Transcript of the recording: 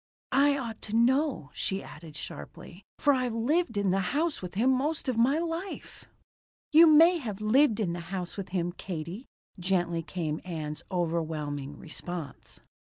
"I ought to know," she added sharply, "for I've lived in the house with him most of my life." "You may have lived in the house with him, Katie," gently came Ann's overwhelming response.